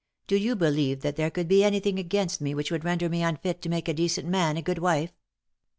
Do you believe that there could be anything against me which would render me unfit to make a decent man a good wife